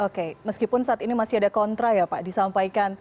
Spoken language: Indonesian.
oke meskipun saat ini masih ada kontra ya pak disampaikan